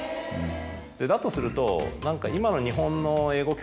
だとすると何か。